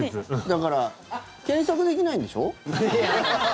だから、検索できないんでしょ？